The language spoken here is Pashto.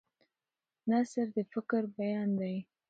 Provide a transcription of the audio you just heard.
نثر د فکر بیان دی.